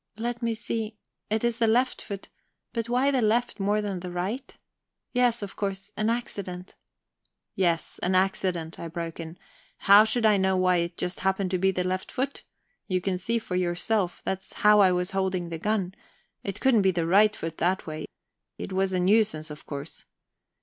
"Let me see it is the left foot but why the left more than the right? Yes, of course, an accident..." "Yes, an accident," I broke in. "How should I know why it just happened to be the left foot? You can see for yourself that's how I was holding the gun it couldn't be the right foot that way. It was a nuisance, of course."